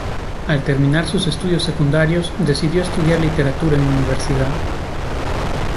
Al terminar sus estudios secundarios decidió estudiar literatura en la universidad.